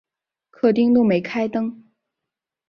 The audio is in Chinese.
客厅都没开灯